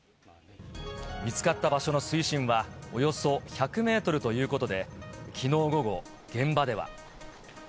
見つかった場所の水深は、およそ１００メートルということで、きのう午後、現場では。